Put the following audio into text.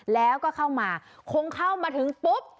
แล้วก็เข้ามาคงเข้ามาถึงปุ๊บ